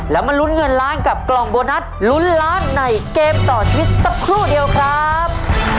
แล้วมาลุ้นเงินล้านกับกล่องโบนัสลุ้นล้านในเกมต่อชีวิตสักครู่เดียวครับ